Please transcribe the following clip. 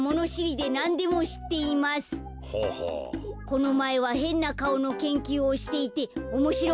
「このまえはへんなかおのけんきゅうをしていておもしろかったです。